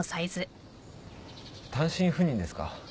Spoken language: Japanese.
単身赴任ですか？